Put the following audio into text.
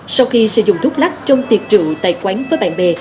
sau khi sử dụng thuốc lắc trong tiệc trụ tại quán với bạn bè